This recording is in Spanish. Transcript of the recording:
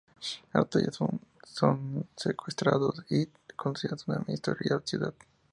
Al otro día, son secuestrados y conducidos a una misteriosa ciudad.